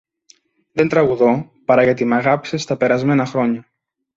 Δεν τραγουδώ παρά γιατί μ’ αγάπησες στα περασμένα χρόνια.